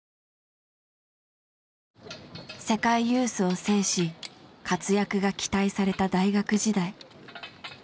世界ユースを制し活躍が期待された大学時代。